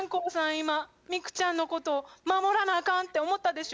今ミクちゃんのことを守らなあかんって思ったでしょ？